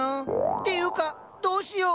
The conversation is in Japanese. っていうかどうしよう？